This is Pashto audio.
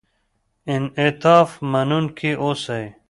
انعطاف منونکي اوسئ.